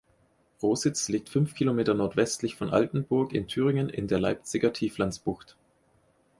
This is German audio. Rositz liegt fünf Kilometer nordwestlich von Altenburg in Thüringen in der Leipziger Tieflandsbucht.